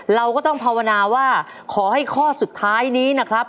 เราก็ต้องภาวนาว่าขอให้ข้อสุดท้ายนี้นะครับ